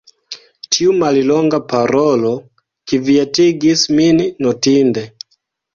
Tiu mallonga parolo kvietigis min notinde.